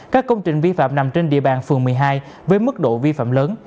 các công trình vi phạm nằm trên địa bàn phường một mươi hai với mức độ vi phạm lớn